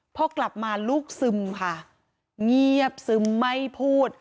พอกลับมาลูกซึมค่ะเงียบซึมไม่พูด